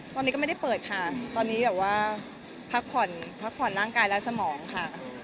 ตอนนี้ก็ไม่ได้เปิดค่ะตอนนี้แบบว่าพักผ่อนพักผ่อนร่างกายและสมองค่ะ